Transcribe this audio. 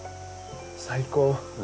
最高。